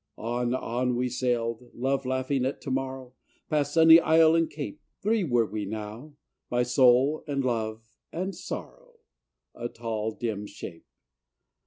On, on we sailed, Love laughing at to morrow, Past sunny isle and cape: Three were we now: My Soul and Love and Sorrow, A tall, dim shape.